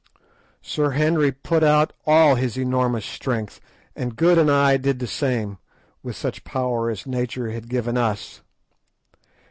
_" Sir Henry put out all his enormous strength, and Good and I did the same, with such power as nature had given us.